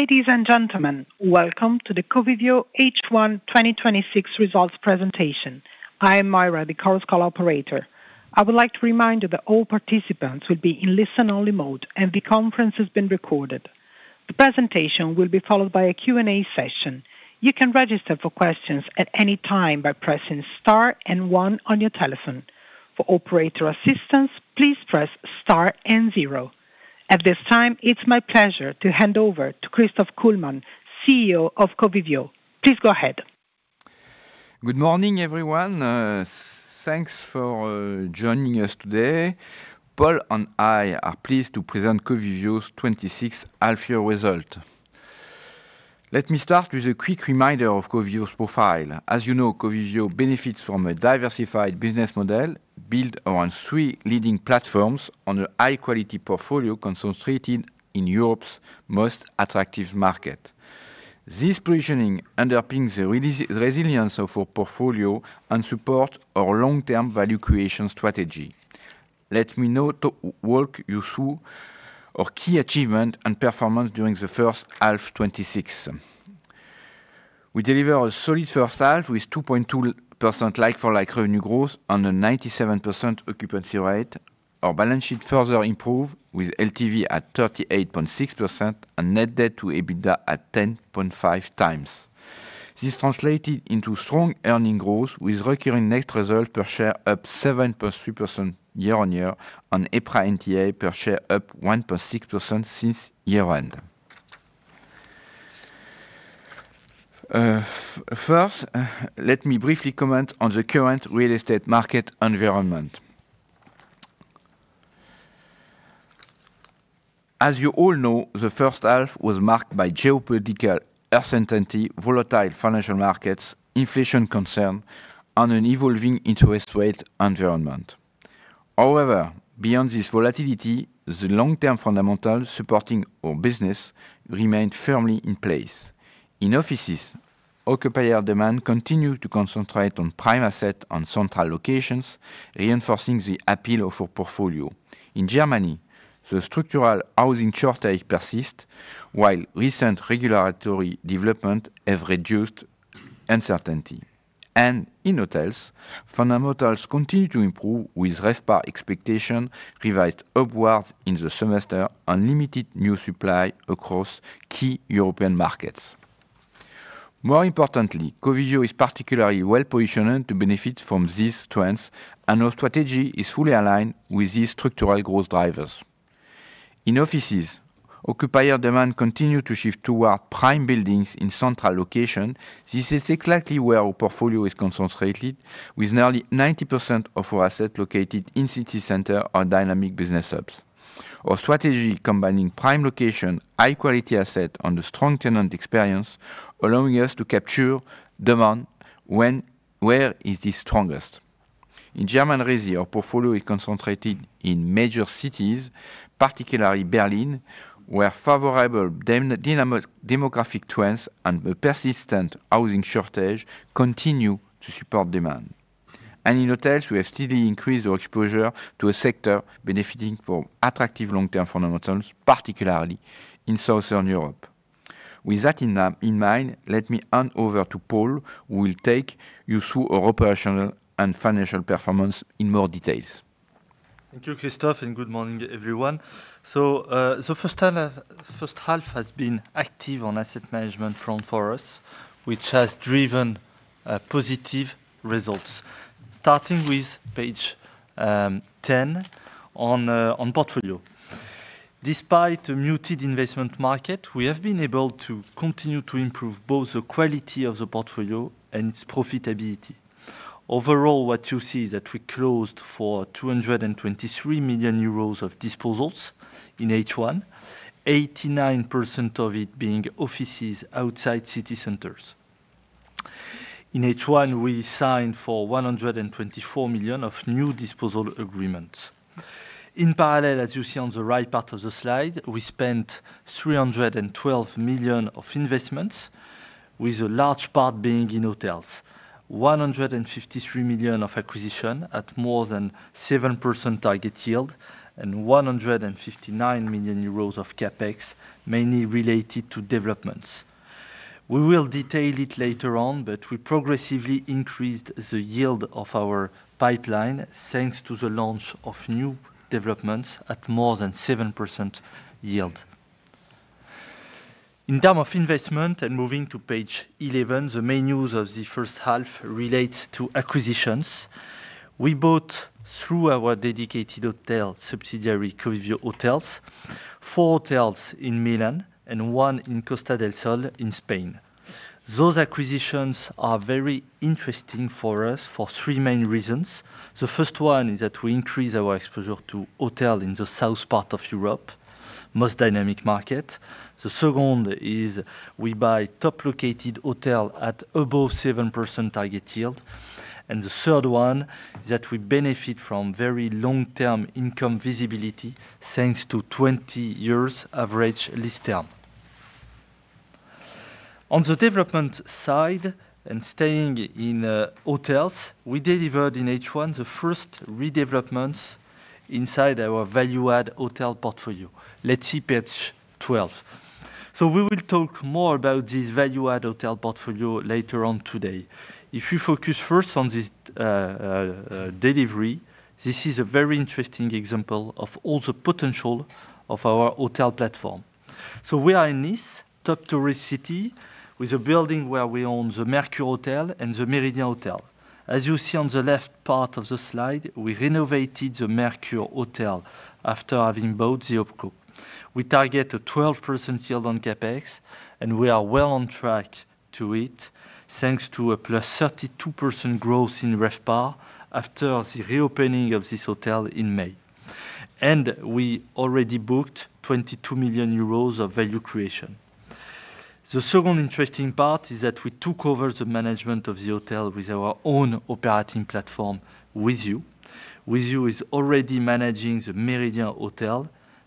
Ladies and gentlemen, welcome to the Covivio H1 2026 Results Presentation. I am Myra, the conference call operator. I would like to remind you that all participants will be in listen-only mode, and the conference is being recorded. The presentation will be followed by a Q&A session. You can register for questions at any time by pressing star and one on your telephone. For operator assistance, please press star and zero. At this time, it is my pleasure to hand over to Christophe Kullmann, CEO of Covivio. Please go ahead. Good morning, everyone. Thanks for joining us today. Paul and I are pleased to present Covivio's 2026 half-year results. Let me start with a quick reminder of Covivio's profile. As you know, Covivio benefits from a diversified business model built around three leading platforms on a high-quality portfolio concentrated in Europe's most attractive market. This positioning underpins the resilience of our portfolio and supports our long-term value creation strategy. Let me now walk you through our key achievements and performance during the first half 2026. We delivered a solid first half with 2.2% like-for-like revenue growth on a 97% occupancy rate. Our balance sheet further improved, with LTV at 38.6% and net debt to EBITDA at 10.5x. This translated into strong earning growth, with recurring net results per share up 7.3% year-on-year on EPRA NTA per share up 1.6% since year-end. First, let me briefly comment on the current real estate market environment. As you all know, the first half was marked by geopolitical uncertainty, volatile financial markets, inflation concern, and an evolving interest rate environment. However, beyond this volatility, the long-term fundamentals supporting our business remained firmly in place. In offices, occupier demand continued to concentrate on prime assets and central locations, reinforcing the appeal of our portfolio. In Germany, the structural housing shortage persists, while recent regulatory developments have reduced uncertainty. In hotels, fundamentals continue to improve with RevPAR expectations revised upwards in the semester on limited new supply across key European markets. More importantly, Covivio is particularly well-positioned to benefit from these trends. Our strategy is fully aligned with these structural growth drivers. In offices, occupier demand continued to shift towards prime buildings in central locations. This is exactly where our portfolio is concentrated, with nearly 90% of our assets located in city centers or dynamic business hubs. Our strategy combining prime locations, high-quality assets, and a strong tenant experience, allowing us to capture demand where it is the strongest. In German residential, our portfolio is concentrated in major cities, particularly Berlin, where favorable demographic trends and a persistent housing shortage continue to support demand. In hotels, we have steadily increased our exposure to a sector benefiting from attractive long-term fundamentals, particularly in Southern Europe. With that in mind, let me hand over to Paul, who will take you through our operational and financial performance in more detail. Thank you, Christophe, and good morning, everyone. The first half has been active on asset management front for us, which has driven positive results. Starting with page 10 on portfolio. Despite a muted investment market, we have been able to continue to improve both the quality of the portfolio and its profitability. Overall, what you see is that we closed for 223 million euros of disposals in H1, 89% of it being offices outside city centers. In H1, we signed for 124 million of new disposal agreements. In parallel, as you see on the right part of the slide, we spent 312 million of investments, with a large part being in hotels. 153 million of acquisition at more than 7% target yield and 159 million euros of CapEx, mainly related to developments. We will detail it later on, we progressively increased the yield of our pipeline, thanks to the launch of new developments at more than 7% yield. In terms of investment and moving to page 11, the main news of the first half relates to acquisitions. We bought through our dedicated hotel subsidiary, Covivio Hotels, four hotels in Milan and one in Costa del Sol in Spain. Those acquisitions are very interesting for us for three main reasons. The first one is that we increase our exposure to hotels in the south part of Europe, most dynamic market. The second is we buy top-located hotels at above 7% target yield. The third one is that we benefit from very long-term income visibility, thanks to 20 years average lease term. On the development side and staying in hotels, we delivered in H1 the first redevelopments inside our value-add hotel portfolio. Let's see page 12. We will talk more about this value-add hotel portfolio later on today. If you focus first on this delivery, this is a very interesting example of all the potential of our hotel platform. We are in Nice, top tourist city, with a building where we own the Mercure Hotel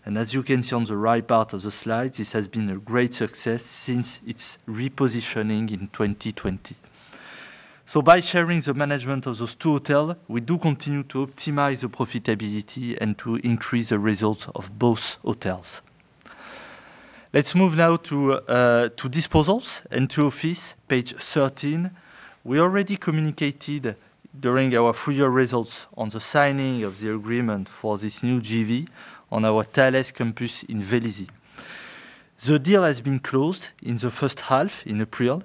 and the Le Méridien Hotel. As you see on the left part of the slide, we renovated the Mercure Hotel after having bought the opco. We target a 12% yield on CapEx, and we are well on track to it, thanks to a +32% growth in RevPAR after the reopening of this hotel in May. We already booked EUR 22 million of value creation. The second interesting part is that we took over the management of the hotel with our own operating platform, WiZiU. WiZiU is already managing the Le Méridien Hotel, as you can see on the right part of the slide, this has been a great success since its repositioning in 2020. By sharing the management of those two hotels, we do continue to optimize the profitability and to increase the results of both hotels. Let's move now to disposals and to office, page 13. We already communicated during our three-year results on the signing of the agreement for this new JV on our Thales campus in Vélizy. The deal has been closed in the first half in April,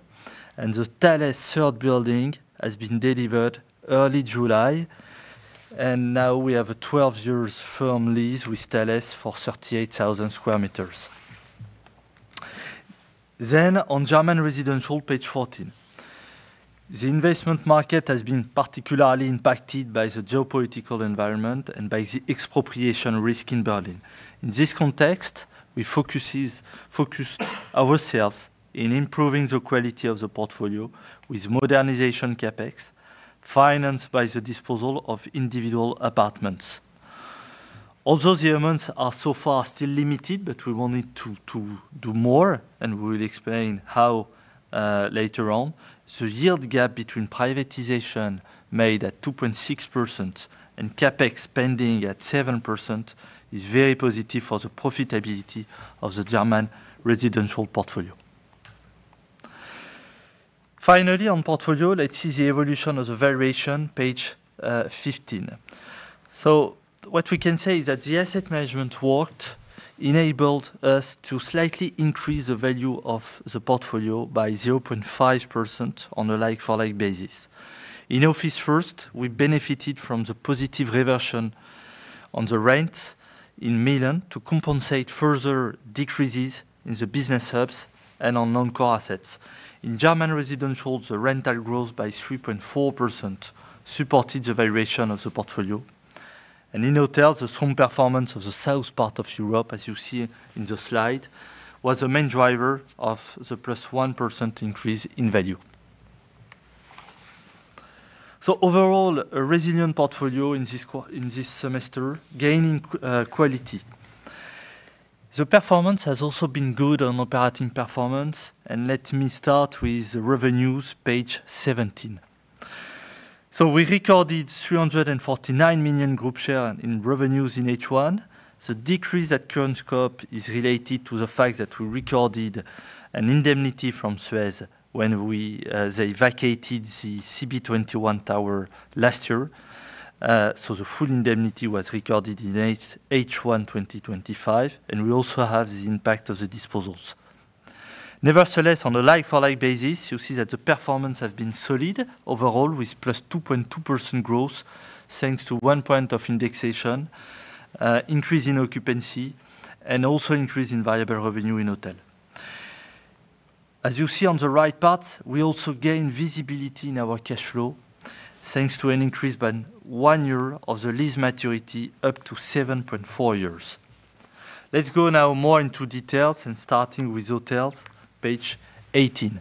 the Thales third building has been delivered early July, and now we have a 12 years firm lease with Thales for 38,000 sq m. On German residential, page 14. The investment market has been particularly impacted by the geopolitical environment and by the expropriation risk in Berlin. In this context, we focused ourselves in improving the quality of the portfolio with modernization CapEx, financed by the disposal of individual apartments. Although the amounts are so far still limited, we wanted to do more, we will explain how later on. The yield gap between privatization made at 2.6% and CapEx spending at 7% is very positive for the profitability of the German residential portfolio. Finally, on portfolio, let's see the evolution of the variation, page 15. What we can say is that the asset management work enabled us to slightly increase the value of the portfolio by 0.5% on a like-for-like basis. In office first, we benefited from the positive reversion on the rents in Milan to compensate further decreases in the business hubs and on non-core assets. In German residential, the rental growth by 3.4% supported the variation of the portfolio. In hotels, the strong performance of the south part of Europe, as you see in the slide, was the main driver of the +1% increase in value. Overall, a resilient portfolio in this semester, gaining quality. The performance has also been good on operating performance, let me start with revenues, page 17. We recorded 349 million group share in revenues in H1. The decrease at current scope is related to the fact that we recorded an indemnity from Suez when they vacated the CB21 tower last year. The full indemnity was recorded in H1 2025, we also have the impact of the disposals. Nevertheless, on a like-for-like basis, you see that the performance has been solid overall with +2.2% growth, thanks to one point of indexation, increase in occupancy, and also increase in variable revenue in hotel. As you see on the right part, we also gain visibility in our cash flow, thanks to an increase by one year of the lease maturity up to 7.4 years. Let's go now more into details and starting with hotels, page 18.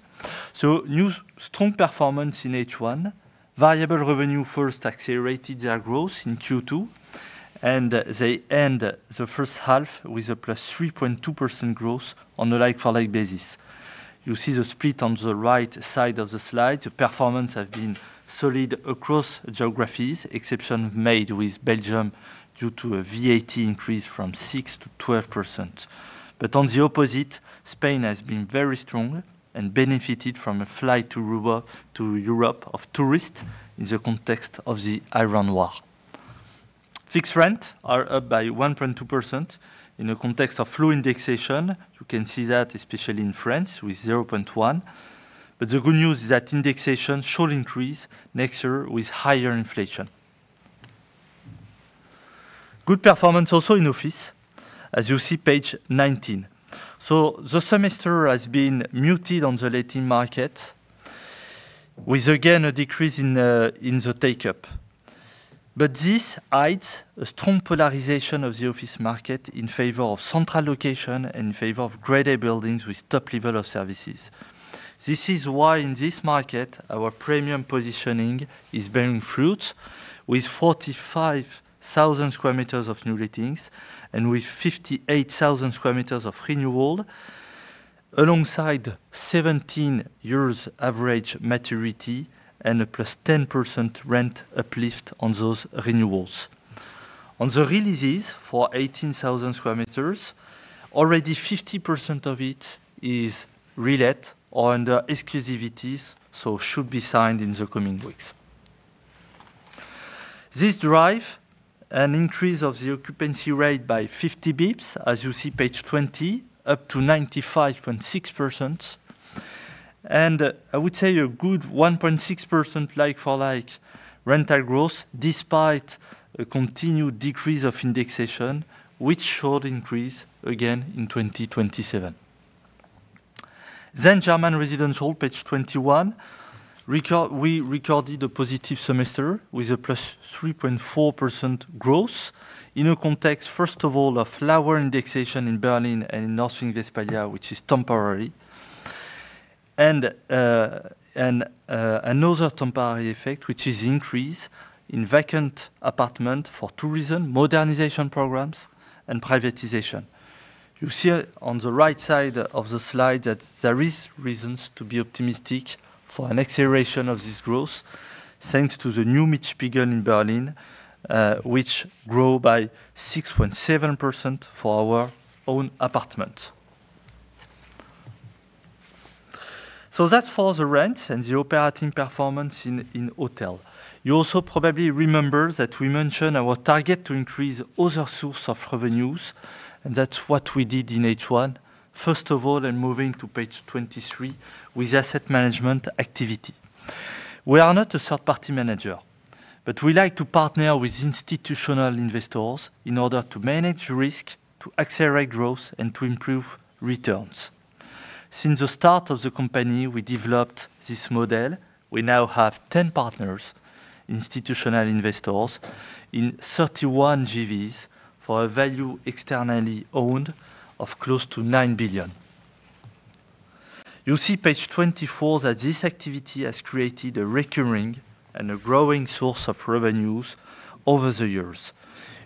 New strong performance in H1. Variable revenue first accelerated their growth in Q2, they end the first half with a +3.2% growth on a like-for-like basis. You see the split on the right side of the slide. The performance has been solid across geographies, exception made with Belgium due to a VAT increase from 6% to 12%. On the opposite, Spain has been very strong and benefited from a flight to Europe of tourists in the context of the Israel-Gaza war. Fixed rent are up by 1.2% in the context of low indexation. You can see that especially in France with 0.1. The good news is that indexation should increase next year with higher inflation. Good performance also in office, as you see, page 19. The semester has been muted on the letting market with again, a decrease in the take-up. This hides a strong polarization of the office market in favor of central location, in favor of grade A buildings with top level of services. This is why in this market, our premium positioning is bearing fruit with 45,000 sq m of new lettings and with 58,000 sq m of renewal. Alongside 17 years average maturity and a +10% rent uplift on those renewals. On the releases for 18,000 sq m, already 50% of it is relet or under exclusivities, should be signed in the coming weeks. This drive an increase of the occupancy rate by 50 basis points, as you see, page 20, up to 95.6%. I would say a good 1.6% like-for-like rental growth despite a continued decrease of indexation, which should increase again in 2027. German residential, page 21. We recorded a positive semester with a +3.4% growth in a context, first of all, of lower indexation in Berlin and in North Rhine-Westphalia, which is temporary. Another temporary effect, which is increase in vacant apartment for tourism, modernization programs, and privatization. You see on the right side of the slide that there is reasons to be optimistic for an acceleration of this growth thanks to the new Mietspiegel in Berlin, which grew by 6.7% for our own apartment. That's for the rent and the operating performance in hotel. You also probably remember that we mentioned our target to increase other source of revenues, and that's what we did in H1. First of all, moving to page 23, with asset management activity. We are not a third-party manager, but we like to partner with institutional investors in order to manage risk, to accelerate growth, and to improve returns. Since the start of the company, we developed this model. We now have 10 partners, institutional investors in 31 JVs for a value externally owned of close to 9 billion. You see, page 24, that this activity has created a recurring and a growing source of revenues over the years.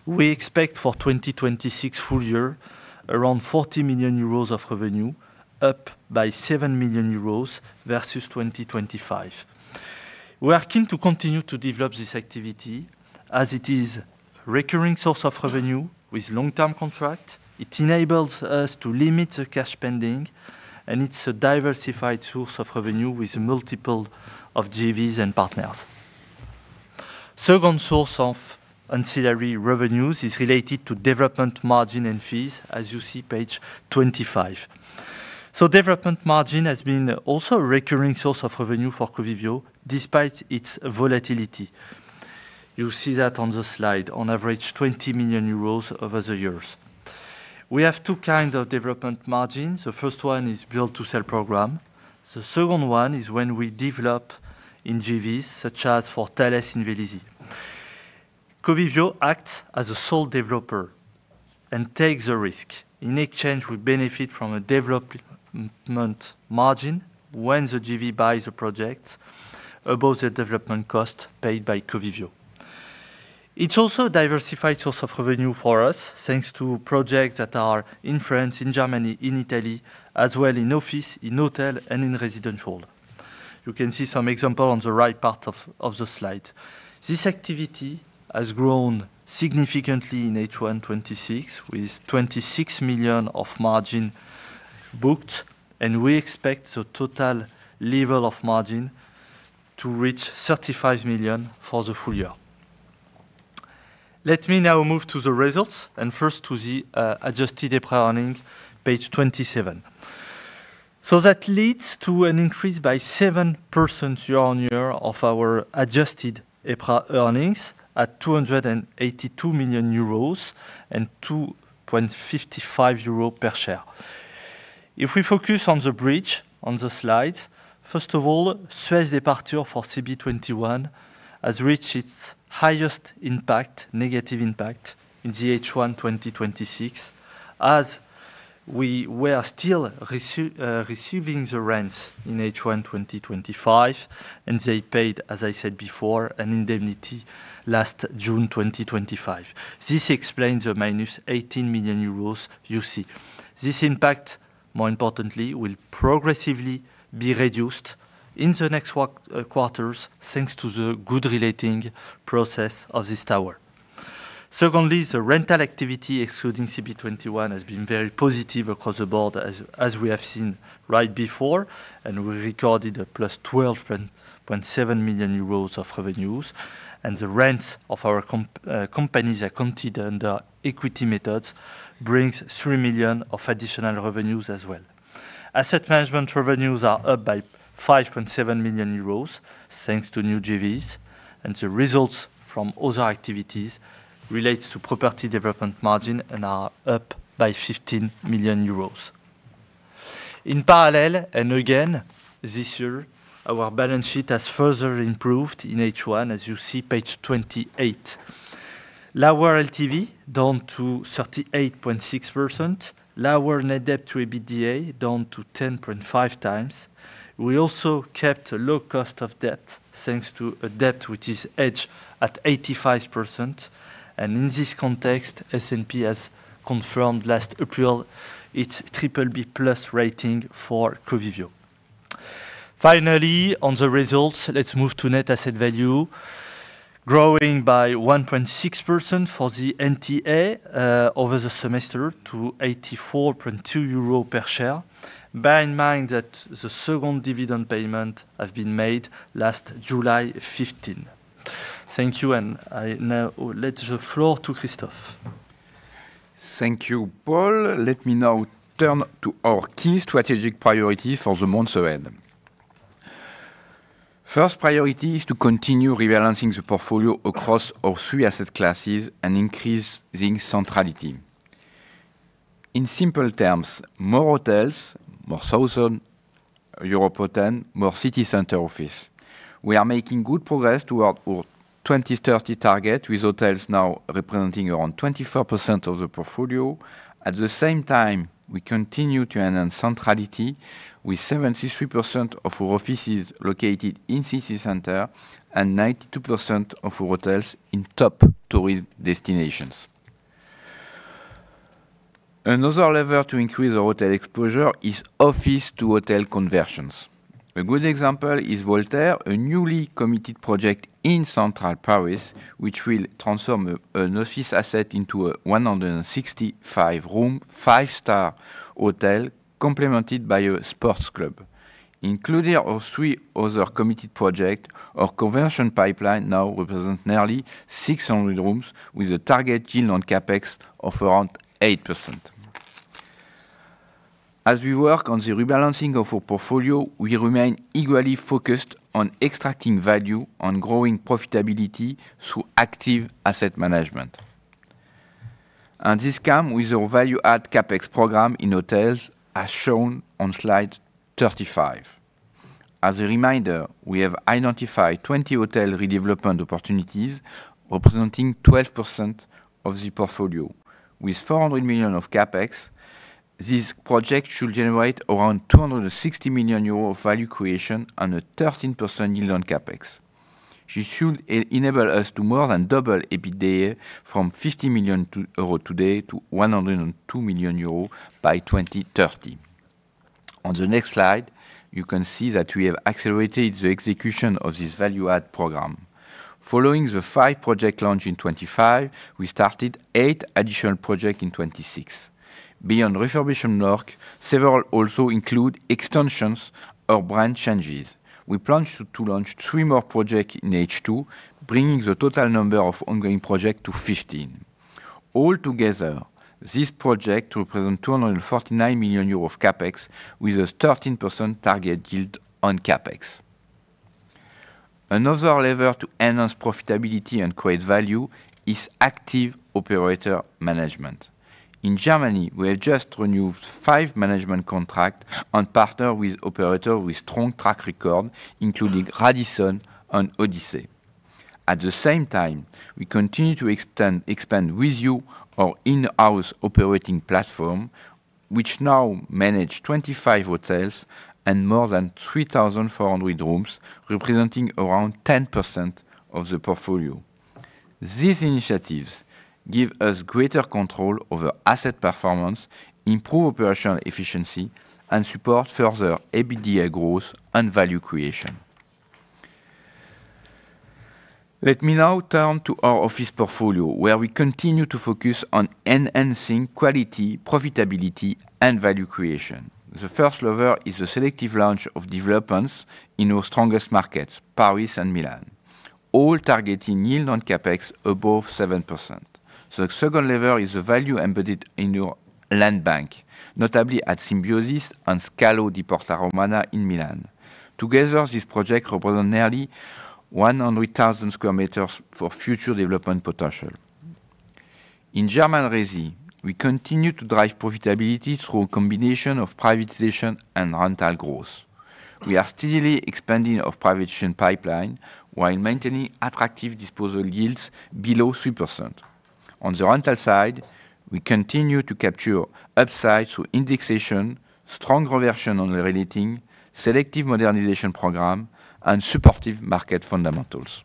We expect for 2026 full year, around 40 million euros of revenue, up by 7 million euros versus 2025. We are keen to continue to develop this activity as it is recurring source of revenue with long-term contract. It enables us to limit the cash spending, it's a diversified source of revenue with multiple of JVs and partners. Second source of ancillary revenues is related to development margin and fees, as you see, page 25. Development margin has been also a recurring source of revenue for Covivio, despite its volatility. You see that on the slide, on average, 20 million euros over the years. We have two kind of development margins. The first one is build to sell program. The second one is when we develop in JVs, such as for Thales in Vélizy. Covivio acts as a sole developer, takes the risk. In exchange, we benefit from a development margin when the JV buys a project above the development cost paid by Covivio. It's also a diversified source of revenue for us, thanks to projects that are in France, in Germany, in Italy, as well in office, in hotel, in residential. You can see some example on the right part of the slide. This activity has grown significantly in H1 2026, with 26 million of margin booked. We expect the total level of margin to reach 35 million for the full year. Let me now move to the results, first to the Adjusted EPRA Earnings, page 27. That leads to an increase by 7% year-on-year of our Adjusted EPRA Earnings at 282 million euros and 2.55 euros per share. If we focus on the bridge on the slide, first of all, Suez's departure for CB21 has reached its highest impact, negative impact, in the H1 2026, as we were still receiving the rents in H1 2025. They paid, as I said before, an indemnity last June 2025. This explains the -18 million euros you see. This impact, more importantly, will progressively be reduced in the next quarters thanks to the good re-letting process of this tower. Secondly, the rental activity excluding CB21 has been very positive across the board, as we have seen right before. We recorded a plus 12.7 million euros of revenues, and the rents of our companies accounted under equity methods brings 3 million of additional revenues as well. Asset management revenues are up by 5.7 million euros thanks to new JVs, and the results from other activities relates to property development margin and are up by 15 million euros. In parallel, and again, this year, our balance sheet has further improved in H1, as you see, page 28. Lower LTV, down to 38.6%. Lower net debt to EBITDA, down to 10.5x. We also kept a low cost of debt thanks to a debt which is hedged at 85%. In this context, S&P has confirmed last April its BBB+ rating for Covivio. Finally, on the results, let's move to net asset value, growing by 1.6% for the NTA over the semester to 84.2 euros per share. Bear in mind that the second dividend payment has been made last July 15. Thank you, and I now let the floor to Christophe. Thank you, Paul. Let me now turn to our key strategic priority for the months ahead. First priority is to continue rebalancing the portfolio across our three asset classes and increasing centrality. In simple terms, more hotels, more southern European, more city center office. We are making good progress toward our 2030 target, with hotels now representing around 24% of the portfolio. At the same time, we continue to enhance centrality with 73% of our offices located in city center and 92% of hotels in top tourist destinations. Another lever to increase our hotel exposure is office-to-hotel conversions. A good example is Voltaire, a newly committed project in central Paris, which will transform an office asset into a 165-room, five-star hotel complemented by a sports club. Including our three other committed project, our conversion pipeline now represents nearly 600 rooms, with a target yield on CapEx of around 8%. As we work on the rebalancing of our portfolio, we remain equally focused on extracting value, on growing profitability through active asset management. This come with our value-add CapEx program in hotels, as shown on slide 35. As a reminder, we have identified 20 hotel redevelopment opportunities representing 12% of the portfolio. With 400 million of CapEx, this project should generate around 260 million euros of value creation on a 13% yield on CapEx. This should enable us to more than double EBITDA from 50 million euro today to 102 million euro by 2030. On the next slide, you can see that we have accelerated the execution of this value add program. Following the five-project launch in 2025, we started eight additional project in 2026. Beyond refurbishment work, several also include extensions or brand changes. We plan to launch three more projects in H2, bringing the total number of ongoing projects to 15. Altogether, these projects represent 249 million euros of CapEx with a 13% target yield on CapEx. Another lever to enhance profitability and create value is active operator management. In Germany, we have just renewed five management contracts and partner with operators with strong track record, including Radisson and Odyssey. At the same time, we continue to expand WiZiU, our in-house operating platform, which now manage 25 hotels and more than 3,400 rooms, representing around 10% of the portfolio. These initiatives give us greater control over asset performance, improve operational efficiency, and support further EBITDA growth and value creation. Let me now turn to our office portfolio, where we continue to focus on enhancing quality, profitability, and value creation. The first lever is the selective launch of developments in our strongest markets, Paris and Milan, all targeting yield on CapEx above 7%. The second lever is the value embedded in our land bank, notably at Symbiosis and Scalo di Porta Romana in Milan. Together, these projects represent nearly 100,000 sq m for future development potential. In German resi, we continue to drive profitability through a combination of privatization and rental growth. We are steadily expanding our privatization pipeline while maintaining attractive disposal yields below 3%. On the rental side, we continue to capture upside through indexation, strong reversion on re-letting, selective modernization programs, and supportive market fundamentals.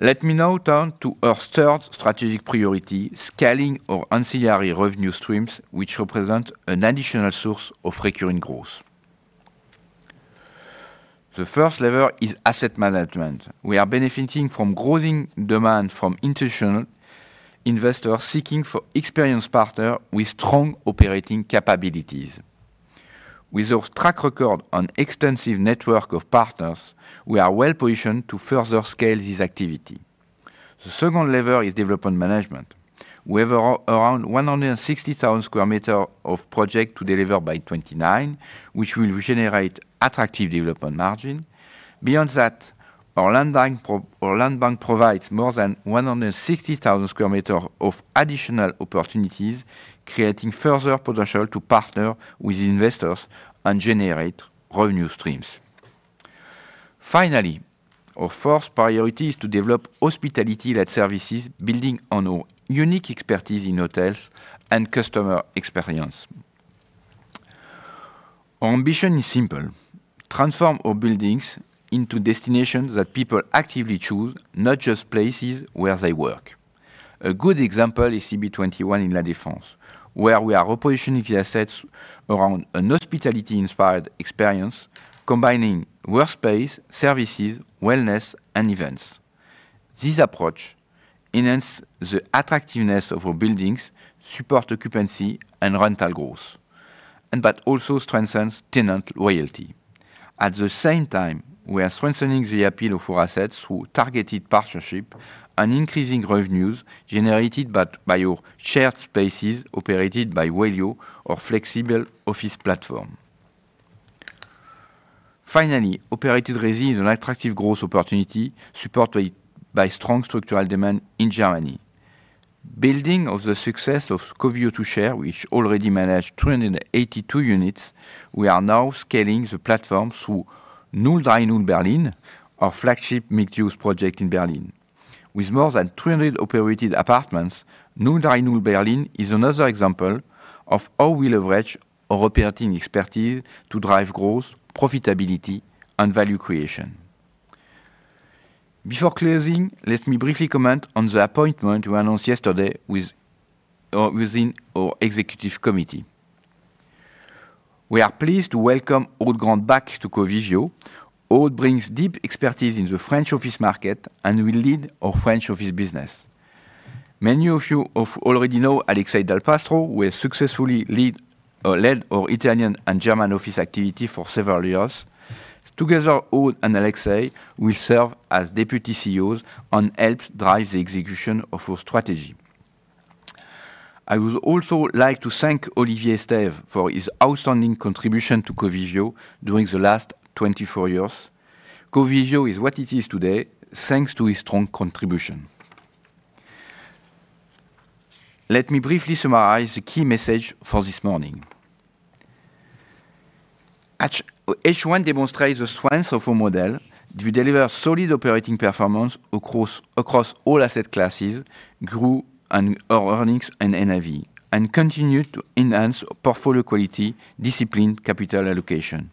Let me now turn to our third strategic priority, scaling our ancillary revenue streams, which represent an additional source of recurring growth. The first lever is asset management. We are benefiting from growing demand from institutional investors seeking experienced partners with strong operating capabilities. With our track record and extensive network of partners, we are well-positioned to further scale this activity. The second lever is development management. We have around 160,000 square meters of projects to deliver by 2029, which will generate attractive development margin. Beyond that, our land bank provides more than 160,000 square meters of additional opportunities, creating further potential to partner with investors and generate revenue streams. Finally, our fourth priority is to develop hospitality-led services, building on our unique expertise in hotels and customer experience. Our ambition is simple. Transform our buildings into destinations that people actively choose, not just places where they work. A good example is CB21 in La Défense, where we are repositioning the assets around a hospitality-inspired experience, combining workspace, services, wellness, and events. This approach enhances the attractiveness of our buildings, supports occupancy and rental growth, and also strengthens tenant loyalty. At the same time, we are strengthening the appeal of our assets through targeted partnerships and increasing revenues generated by our shared spaces operated by Wellio, our flexible office platform. Finally, operated residency is an attractive growth opportunity supported by strong structural demand in Germany. Building on the success of Covivio to Share, which already manages 282 units, we are now scaling the platform through [Null Drei Null Berlin], our flagship mixed-use project in Berlin. With more than 200 operated apartments, null drei null Berlin is another example of how we leverage our operating expertise to drive growth, profitability, and value creation. Before closing, let me briefly comment on the appointment we announced yesterday within our executive committee. We are pleased to welcome Aude Grant back to Covivio. Aude brings deep expertise in the French office market and will lead our French office business. Many of you already know Alexei Dal Pastro, who has successfully led our Italian and German office activity for several years. Together, Aude and Alexei will serve as Deputy CEOs and help drive the execution of our strategy. I would also like to thank Olivier Estève for his outstanding contribution to Covivio during the last 24 years. Covivio is what it is today thanks to his strong contribution. Let me briefly summarize the key message for this morning. H1 demonstrates the strength of our model to deliver solid operating performance across all asset classes, grew our earnings and NAV, and continued to enhance portfolio quality, discipline, capital allocation.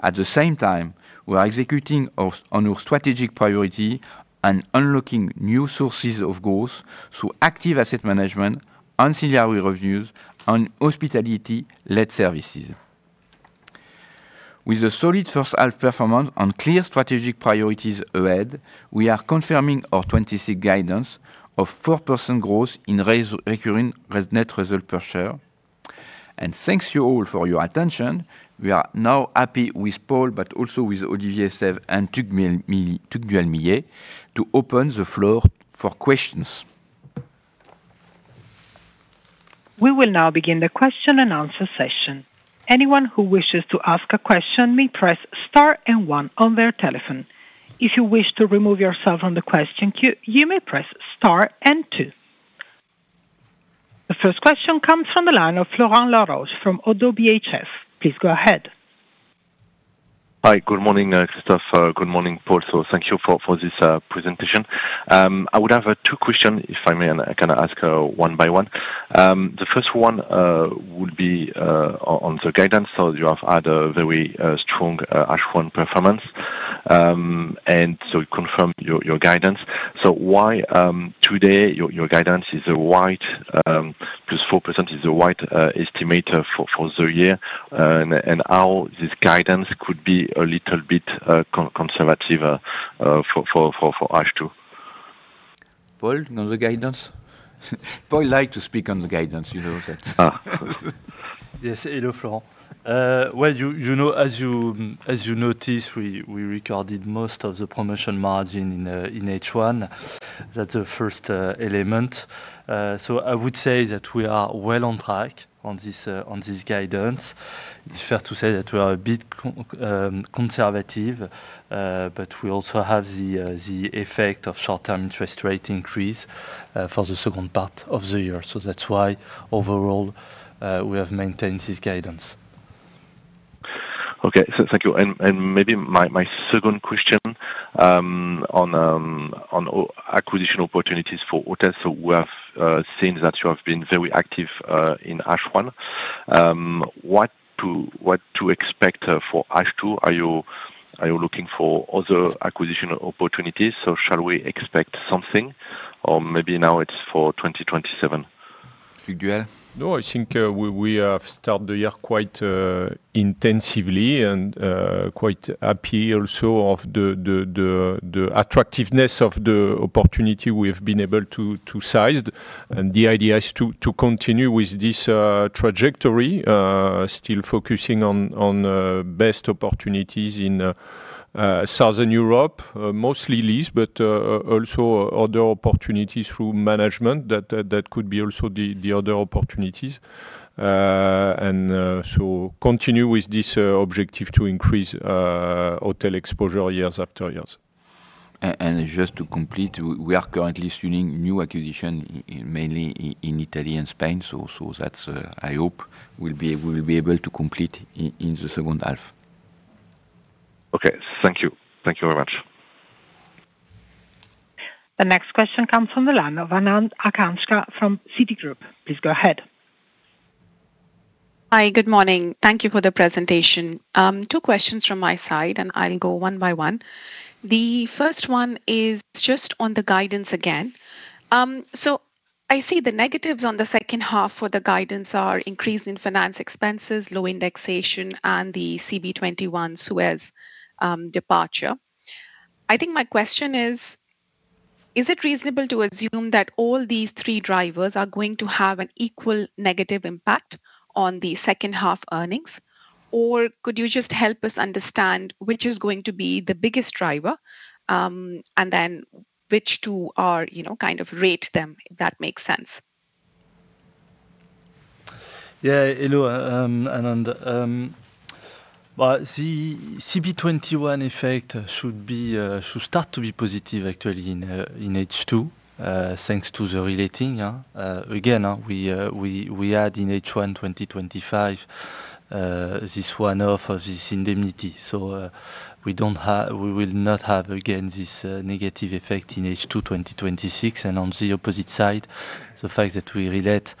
At the same time, we are executing on our strategic priority and unlocking new sources of growth through active asset management, ancillary revenues, and hospitality-led services. With a solid first half performance and clear strategic priorities ahead, we are confirming our 2026 guidance of 4% growth in recurring net result per share. Thank you all for your attention. We are now happy with Paul, but also with Olivier Estève and Tugdual Millet to open the floor for questions. We will now begin the question-and-answer session. Anyone who wishes to ask a question may press star and one on their telephone. If you wish to remove yourself from the question queue, you may press star and two. The first question comes from the line of Florent Laroche from Oddo BHF. Please go ahead. Hi. Good morning, Christophe. Good morning, Paul. Thank you for this presentation. I would have two questions, if I may. I can ask one by one. The first one would be on the guidance. You have had a very strong H1 performance. You confirm your guidance. Why, today, your guidance is a wide, because 4% is a wide estimate for the year, and how this guidance could be a little bit conservative for H2. Paul, on the guidance? Paul likes to speak on the guidance. Yes. Hello, Florent. As you noticed, we recorded most of the promotion margin in H1. That's the first element. I would say that we are well on track on this guidance. It's fair to say that we are a bit conservative, but we also have the effect of short-term interest rate increase for the second part of the year. That's why, overall, we have maintained this guidance. Okay. Thank you. Maybe my second question on acquisition opportunities for hotels. We have seen that you have been very active in H1. What to expect for H2? Are you looking for other acquisition opportunities, or shall we expect something? Or maybe now it's for 2027. Tugdual? No, I think we have started the year quite intensively and quite happy also of the attractiveness of the opportunity we have been able to size. The idea is to continue with this trajectory, still focusing on the best opportunities in Southern Europe, mostly leased, but also other opportunities through management. That could be also the other opportunities. Continue with this objective to increase hotel exposure years after years. Just to complete, we are currently screening new acquisitions, mainly in Italy and Spain. That, I hope, we will be able to complete in the second half. Okay. Thank you. Thank you very much. The next question comes from the line of Anand Aakanksha from Citigroup. Please go ahead. Hi. Good morning. Thank you for the presentation. Two questions from my side, I will go one by one. The first one is just on the guidance again. I see the negatives on the second half for the guidance are increase in finance expenses, low indexation, and the CB21 Suez departure. My question is it reasonable to assume that all these three drivers are going to have an equal negative impact on the second half earnings? Could you just help us understand which is going to be the biggest driver, then which two are, rate them, if that makes sense. Hello, Anand. Well, the CB21 effect should start to be positive actually in H2, thanks to the relating. Again, we had in H1 2025, this one-off of this indemnity, so we will not have, again, this negative effect in H2 2026. On the opposite side, the fact that we relate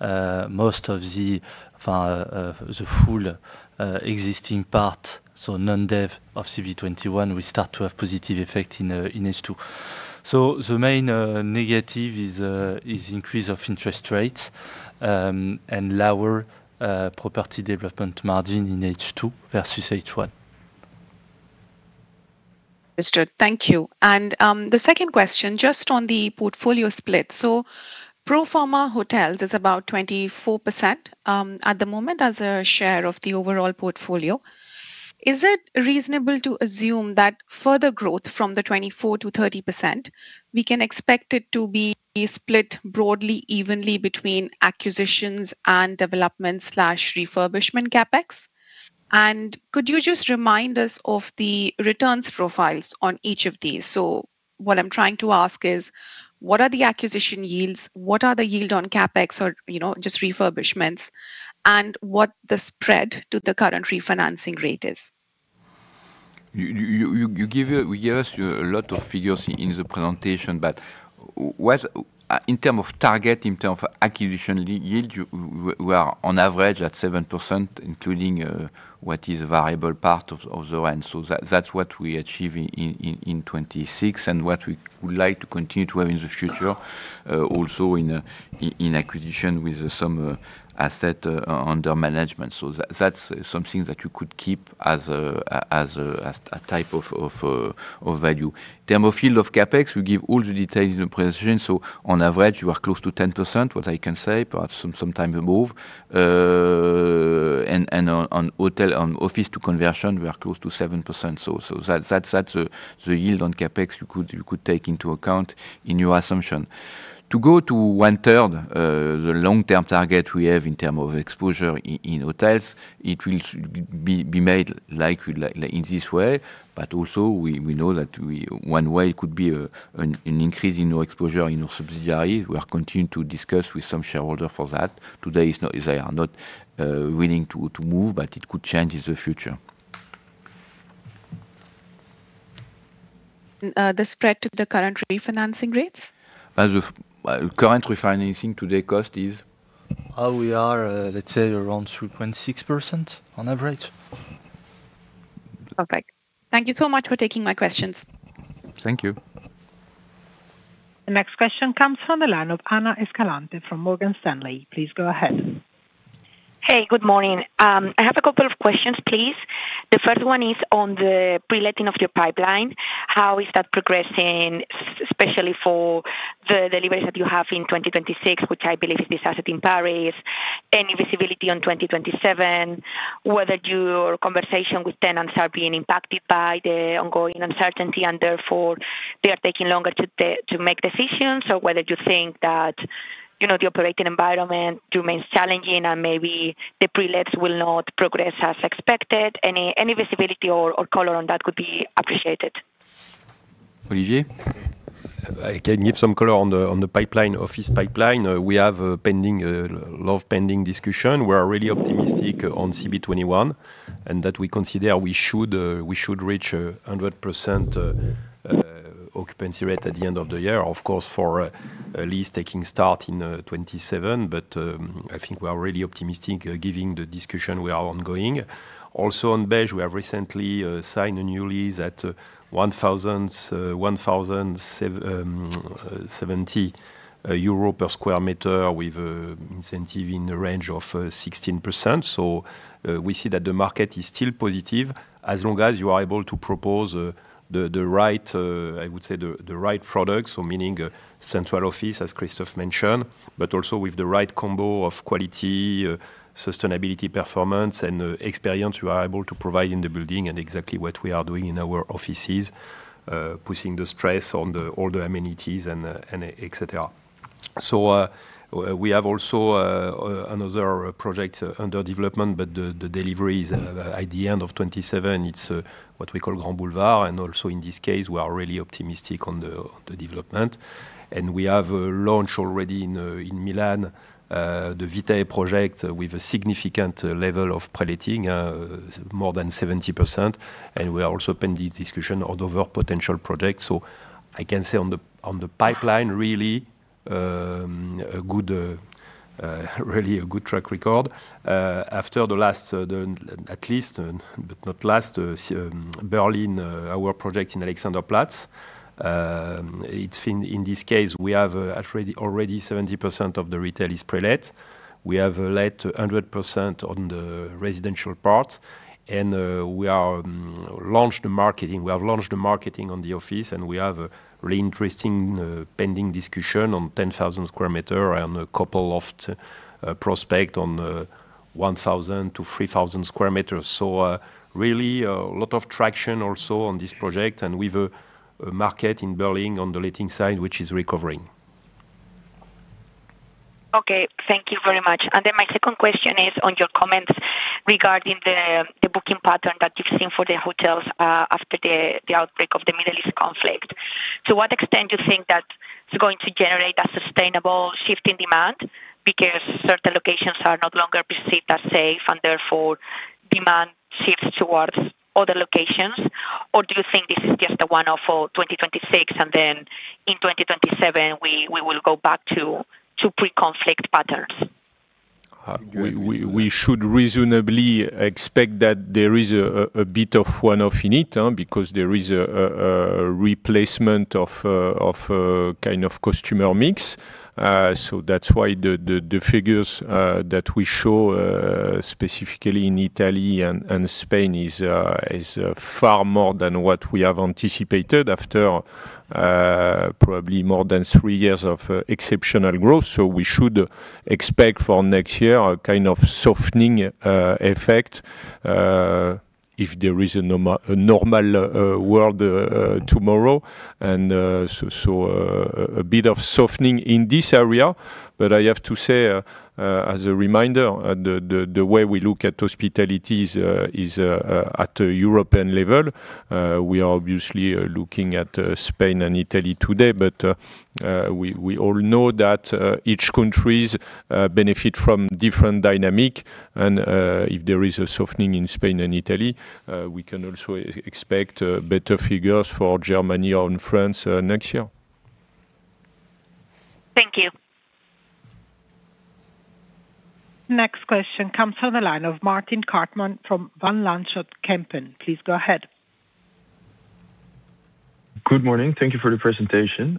most of the full existing part, so non-dev, of CB21, we start to have positive effect in H2. The main negative is increase of interest rates, and lower property development margin in H2 vs. H1. Understood. Thank you. The second question, just on the portfolio split. Pro forma hotels is about 24% at the moment as a share of the overall portfolio. Is it reasonable to assume that further growth from the 24% to 30%, we can expect it to be split broadly evenly between acquisitions and development/refurbishment CapEx? Could you just remind us of the returns profiles on each of these? What I'm trying to ask is: What are the acquisition yields? What are the yield on CapEx or just refurbishments? And what the spread to the current refinancing rate is. We gave a lot of figures in the presentation, but in term of target, in term of acquisition yield, we are on average at 7%, including what is a variable part of the rent. That's what we achieve in 2026, and what we would like to continue to have in the future, also in acquisition with some asset under management. That's something that you could keep as a type of value. In term of field of CapEx, we give all the details in the presentation, on average, we are close to 10%, what I can say, perhaps some time above. On office to conversion, we are close to 7%. That's the yield on CapEx you could take into account in your assumption. To go to one-third, the long-term target we have in term of exposure in hotels, it will be made likely in this way. Also, we know that one way could be an increase in our exposure in our subsidiary. We are continuing to discuss with some shareholder for that. Today, they are not willing to move, but it could change in the future. The spread to the current refinancing rates? Current refinancing today cost is how we are, let's say around 3.6% on average. Perfect. Thank you so much for taking my questions. Thank you. The next question comes from the line of Ana Escalante from Morgan Stanley. Please go ahead. Hey, good morning. I have a couple of questions, please. The first one is on the pre-letting of your pipeline. How is that progressing, especially for the deliveries that you have in 2026, which I believe is this asset in Paris? Any visibility on 2027? Therefore they are taking longer to make decisions? Whether you think that the operating environment remains challenging and maybe the pre-lets will not progress as expected. Any visibility or color on that would be appreciated. Olivier? I can give some color on the office pipeline. We have a lot of pending discussion. We are really optimistic on CB21, and that we consider we should reach 100% occupancy rate at the end of the year. Of course, for a lease taking start in 2027. I think we are really optimistic given the discussion we are ongoing. Also on Beige, we have recently signed a new lease at 1,070 per square meter with incentive in the range of 16%. We see that the market is still positive as long as you are able to propose the right products. Meaning central office, as Christophe mentioned, but also with the right combo of quality, sustainability performance, and experience we are able to provide in the building and exactly what we are doing in our offices, putting the stress on all the amenities and et cetera. We have also another project under development, but the delivery is at the end of 2027. It's what we call Grands Boulevards, also in this case, we are really optimistic on the development. We have a launch already in Milan, the Vitae project, with a significant level of pre-letting, more than 70%. We are also pending discussion on other potential projects. I can say on the pipeline, really a good track record. After the last, at least, but not last, Berlin, our project in Alexanderplatz. In this case, we have already 70% of the retail is pre-let. We have let 100% on the residential part. We have launched marketing on the office, and we have a really interesting pending discussion on 10,000 sq m and a couple of prospect on 1,000 sq m-3,000 sq m. Really, a lot of traction also on this project and with a market in Berlin on the letting side, which is recovering. Okay. Thank you very much. My second question is on your comments regarding the booking pattern that you've seen for the hotels after the outbreak of the Middle East conflict. To what extent do you think that it's going to generate a sustainable shift in demand because certain locations are no longer perceived as safe, and therefore demand shifts towards other locations? Or do you think this is just a one-off for 2026, and then in 2027, we will go back to pre-conflict patterns? We should reasonably expect that there is a bit of one-off in it, because there is a replacement of customer mix. That's why the figures that we show specifically in Italy and Spain is far more than what we have anticipated after probably more than three years of exceptional growth. We should expect for next year a kind of softening effect, if there is a normal world tomorrow. A bit of softening in this area. I have to say, as a reminder, the way we look at hospitality is at a European level. We are obviously looking at Spain and Italy today, but we all know that each countries benefit from different dynamic. If there is a softening in Spain and Italy, we can also expect better figures for Germany or in France next year. Thank you. Next question comes from the line of Martijn Kartman from Van Lanschot Kempen. Please go ahead. Good morning. Thank you for the presentation.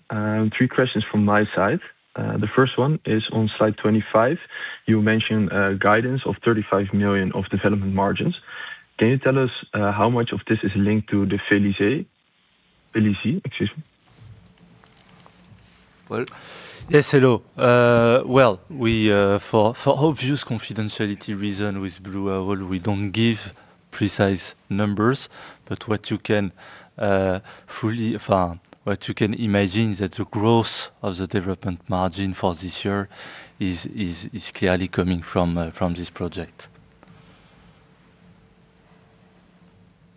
Three questions from my side. The first one is on slide 25. You mentioned guidance of 35 million of development margins. Can you tell us how much of this is linked to the Vélizy? Excuse me. Yes, hello. Well, for obvious confidentiality reason with Blue Owl, we don't give precise numbers. What you can imagine is that the growth of the development margin for this year is clearly coming from this project.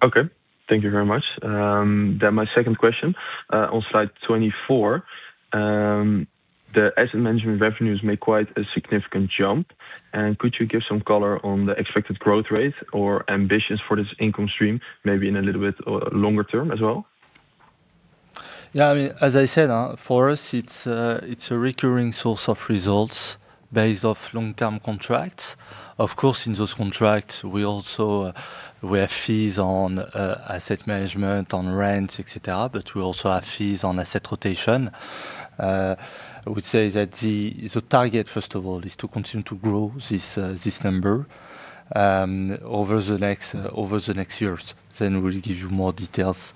Okay. Thank you very much. My second question, on slide 24, the asset management revenues made quite a significant jump. Could you give some color on the expected growth rate or ambitions for this income stream, maybe in a little bit longer term as well? Yeah. As I said, for us, it's a recurring source of results based off long-term contracts. Of course, in those contracts, we have fees on asset management, on rents, et cetera, but we also have fees on asset rotation. I would say that the target, first of all, is to continue to grow this number over the next years. We'll give you more details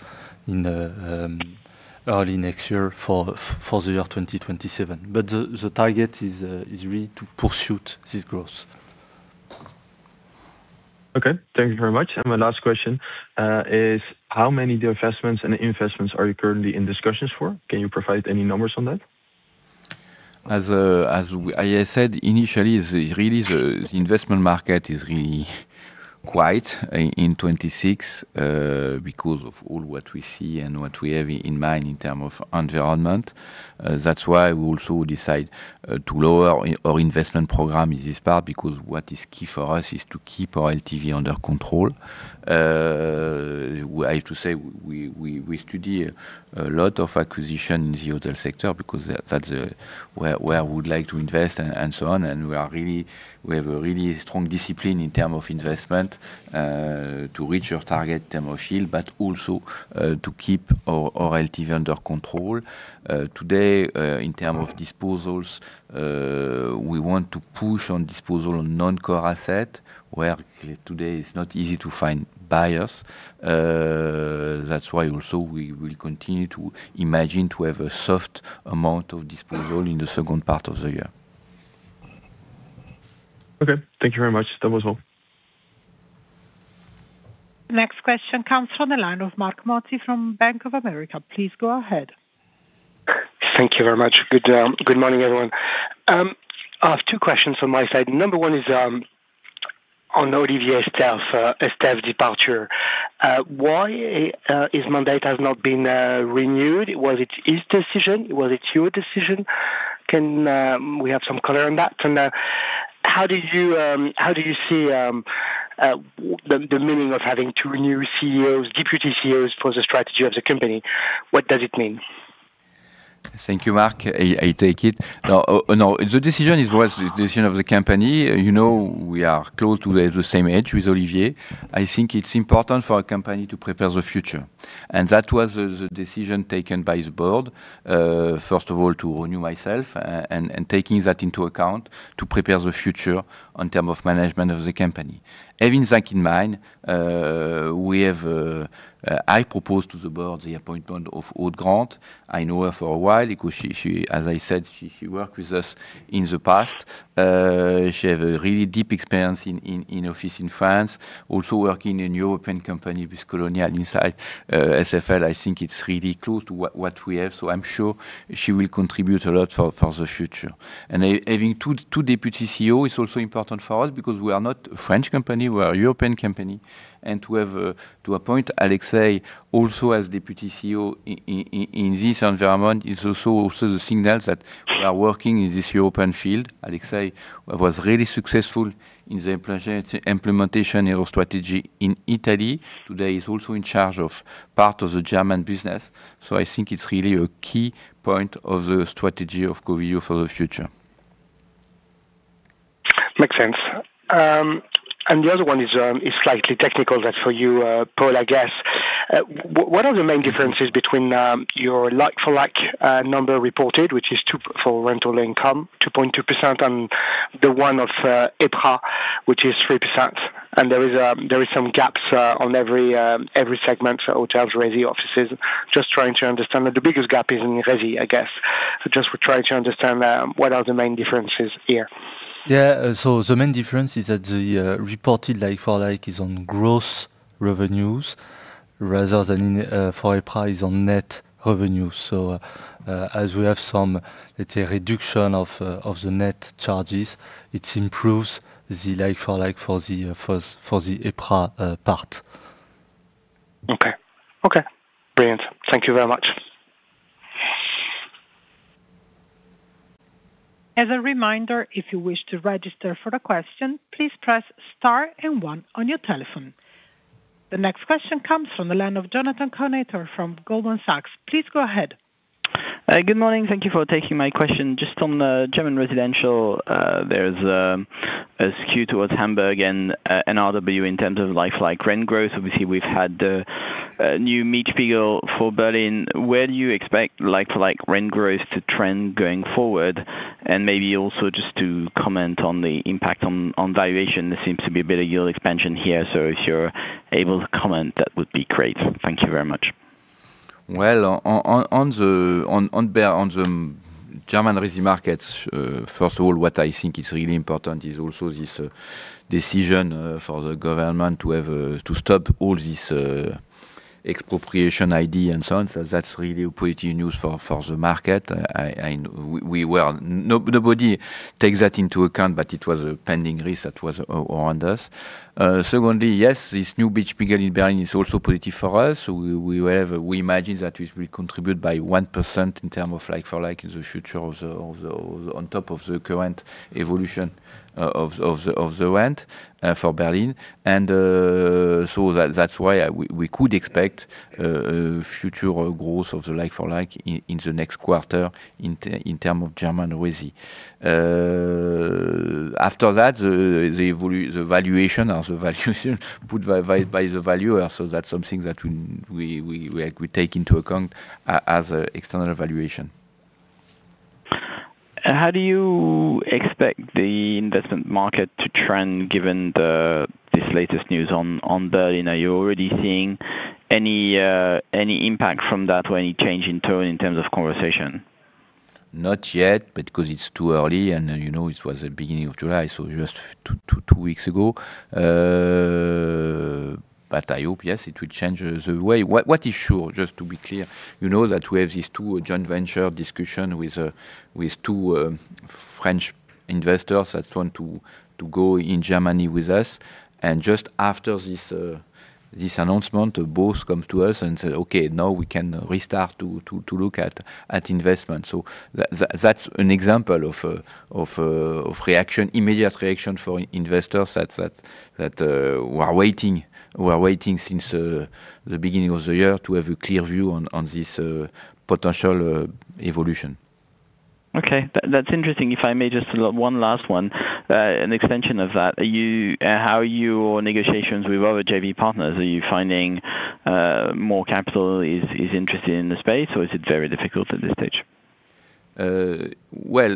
early next year for the year 2027. The target is really to pursue this growth. Okay. Thank you very much. My last question is, how many divestments and investments are you currently in discussions for? Can you provide any numbers on that? As I said initially, the investment market is really quiet in 2026 because of all what we see and what we have in mind in terms of environment. That's why we also decide to lower our investment program in this part, because what is key for us is to keep our LTV under control. I have to say, we study a lot of acquisitions in the hotel sector because that's where we would like to invest and so on. We have a really strong discipline in terms of investment to reach our target term of yield, but also to keep our LTV under control. Today, in terms of disposals, we want to push on disposals on non-core assets, where today it's not easy to find buyers. That's why also we will continue to imagine to have a soft amount of disposals in the second part of the year. Okay. Thank you very much. That was all. Next question comes from the line of [Marc Marti] from Bank of America. Please go ahead. Thank you very much. Good morning, everyone. I have two questions on my side. Number one is On Olivier Estève' departure, why his mandate has not been renewed? Was it his decision? Was it your decision? Can we have some color on that? How do you see the meaning of having to renew CEOs, deputy CEOs for the strategy of the company? What does it mean? Thank you, [Marc]. I take it. No, the decision is the decision of the company. We are close to the same age with Olivier. I think it's important for a company to prepare the future. That was the decision taken by the board, first of all, to renew myself, and taking that into account, to prepare the future in term of management of the company. Having that in mind, I proposed to the board the appointment of Aude Grant. I know her for a while, because as I said, she worked with us in the past. She have a really deep experience in office in France, also working in European company with Colonial inside SFL. I think it's really close to what we have. I'm sure she will contribute a lot for the future. Having two Deputy CEO is also important for us because we are not a French company, we are a European company, and to appoint Alexei also as Deputy CEO in this environment is also the signals that we are working in this European field. Alexei was really successful in the implementation of strategy in Italy. Today, he's also in charge of part of the German business. I think it's really a key point of the strategy of Covivio for the future. Makes sense. The other one is slightly technical. That's for you, Paul, I guess. What are the main differences between your like-for-like number reported, which is for rental income, 2.2%, and the one of EPRA, which is 3%? There is some gaps on every segment, hotels, resi, offices. Just trying to understand that the biggest gap is in resi, I guess. Just trying to understand, what are the main differences here? Yeah. The main difference is that the reported like for like is on gross revenues rather than for EPRA is on net revenue. As we have some, let's say, reduction of the net charges, it improves the like for like for the EPRA part. Okay. Brilliant. Thank you very much. As a reminder, if you wish to register for a question, please press star and one on your telephone. The next question comes from the line of Jonathan Kownator from Goldman Sachs. Please go ahead. Good morning. Thank you for taking my question. Just on the German residential, there's a skew towards Hamburg and N.R.W. in terms of like-for-like rent growth. Obviously, we've had the new Mietspiegel for Berlin. Where do you expect like-to-like rent growth to trend going forward? Maybe also just to comment on the impact on valuation. There seems to be a bit of yield expansion here, so if you're able to comment, that would be great. Thank you very much. Well, on the German resi markets, first of all, what I think is really important is also this decision for the government to stop all this expropriation ID and so on. That's really pretty news for the market. Nobody takes that into account, but it was a pending risk that was on us. Secondly, yes, this new Mietspiegel in Berlin is also pretty for us. We imagine that we contribute by 1% in terms of like-for-like in the future on top of the current evolution of the rent for Berlin. That's why we could expect future growth of the like-for-like in the next quarter in terms of German resi. After that, the valuation as a valuation put by the valuer. That's something that we take into account as external valuation. How do you expect the investment market to trend given this latest news on Berlin? Are you already seeing any impact from that or any change in tone in terms of conversation? Not yet, because it's too early, and it was the beginning of July, just two weeks ago. I hope, yes, it will change the way. What is sure, just to be clear, you know that we have these two joint venture discussion with two French investors that want to go in Germany with us. Just after this announcement, both come to us and said, "Okay, now we can restart to look at investment." That's an example of immediate reaction for investors that were waiting since the beginning of the year to have a clear view on this potential evolution. Okay. That's interesting. If I may, just one last one, an extension of that. How are your negotiations with other JV partners? Are you finding more capital is interested in the space, or is it very difficult at this stage? Well,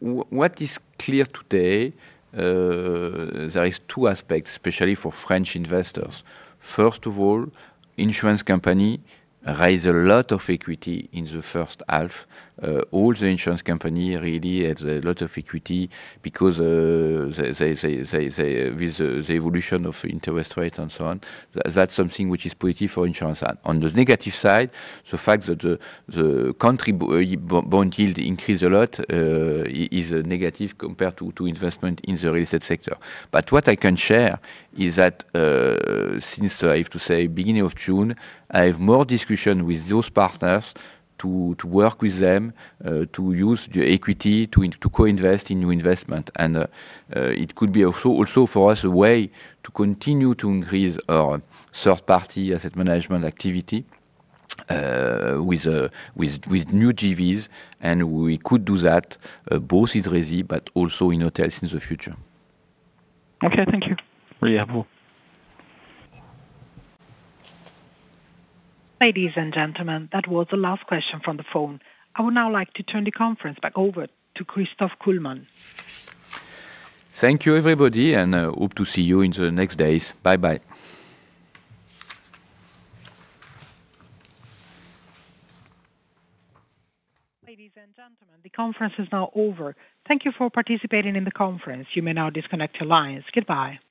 what is clear today, there is two aspects, especially for French investors. First of all, insurance company raise a lot of equity in the first half. All the insurance company really has a lot of equity because with the evolution of interest rates and so on, that's something which is pretty for insurance. On the negative side, the fact that the country bond yield increase a lot is negative compared to investment in the real estate sector. What I can share is that, since I have to say beginning of June, I have more discussion with those partners to work with them, to use the equity to co-invest in new investment. It could be also for us a way to continue to increase our third-party asset management activity, with new JVs. We could do that both with resi, but also in hotels in the future. Okay. Thank you. Ladies and gentlemen, that was the last question from the phone. I would now like to turn the conference back over to Christophe Kullmann. Thank you, everybody, and hope to see you in the next days. Bye-bye. Ladies and gentlemen, the conference is now over. Thank you for participating in the conference. You may now disconnect your lines. Goodbye.